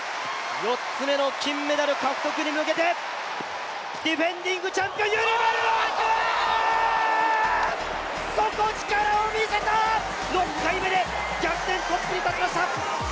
４つ目の金メダル獲得に向けてディフェンディングチャンピオン底力を見せた、６回目で逆転トップに立ちました！